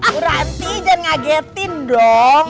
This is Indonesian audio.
bu ranti jangan ngagetin dong